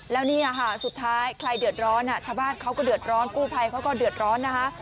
แล้วเนี่ยค่ะสุดท้ายใครเดือดร้อนชาวบ้านเขาก็เดือดร้อนกู้ภัยเขาก็เดือดร้อนนะคะ